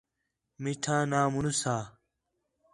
میٹھا ناں مُݨس ہا